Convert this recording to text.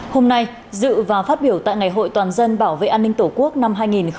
hôm nay dự và phát biểu tại ngày hội toàn dân bảo vệ an ninh tổ quốc năm hai nghìn hai mươi bốn